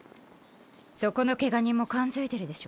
そこのケガ人も感づいてるでしょ。